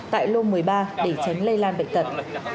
tại lô một mươi ba để tránh lây lan bệnh tật